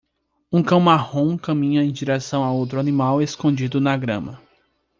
Um cão marrom caminha em direção a outro animal escondido na grama.